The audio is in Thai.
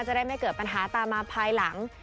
จะได้ไม่เกิดปัญหาตามมาภายหลัง